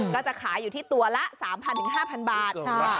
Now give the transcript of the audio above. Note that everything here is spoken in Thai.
ก็จะขายอยู่ที่ตัวละ๓๐๐๕๐๐บาท